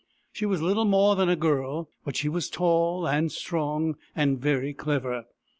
She was little more than a girl, but she was tall and strong, and very clever.